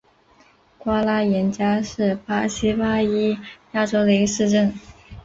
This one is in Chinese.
瓜拉廷加是巴西巴伊亚州的一个市镇。